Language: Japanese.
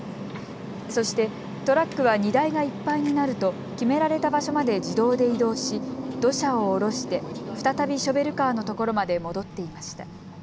そしてトラックは荷台がいっぱいになると、決められた場所まで自動で移動し土砂を降ろして再びショベルカーのところまで戻っていました。